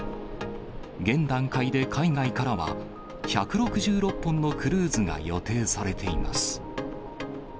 現段階で海外からは、１６６本のクルーズが予定されています。